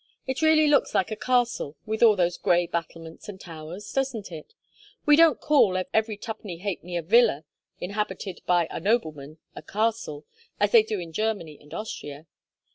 It really looks like a castle with all those gray battlements and towers, doesn't it? We don't call every tuppeny hapenny villa inhabited by a nobleman a 'castle' as they do in Germany and Austria.